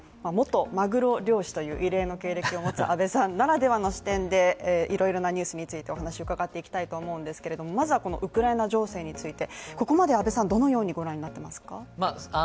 元マグロ漁師という異例の経歴を持つ安部さんならではの視点でいろいろなニュースについてお話を伺っていきたいと思うんですけれどまずはウクライナ情勢についてここまでどのように御覧になっていますか？